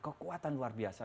kekuatan luar biasa